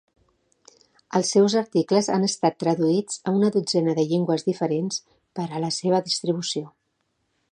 Els seus articles han estat traduïts a una dotzena de llengües diferents per a la seva distribució.